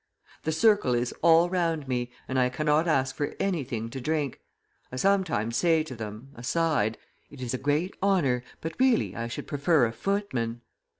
The circle is all round me, and I cannot ask for anything to drink; I sometimes say to them (aside), 'It is a great honor, but really I should prefer a footman.